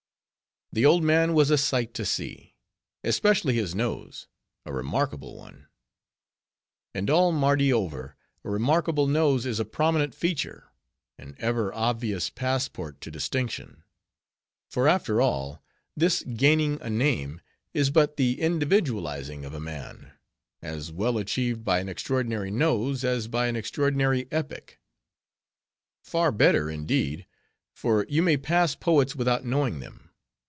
The old man was a sight to see; especially his nose; a remarkable one. And all Mardi over, a remarkable nose is a prominent feature: an ever obvious passport to distinction. For, after all, this gaining a name, is but the individualizing of a man; as well achieved by an extraordinary nose, as by an extraordinary epic. Far better, indeed; for you may pass poets without knowing them.